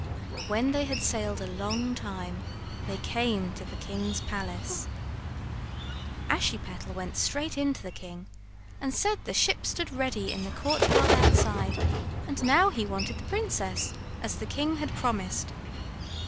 When they had sailed a long time they came to the king's palace. Ashiepattle went straight in to the king and said the ship stood ready in the courtyard outside; and now he wanted the princess, as the king had promised.